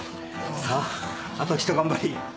さああとひと頑張り。